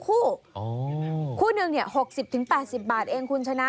คู่หนึ่งเนี่ย๖๐๘๐บาทเองคุณชนะ